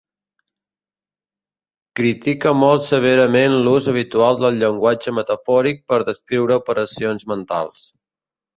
Critica molt severament l'ús habitual del llenguatge metafòric per descriure operacions mentals.